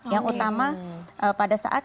yang utama pada saat